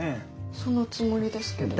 そのつもりですけど。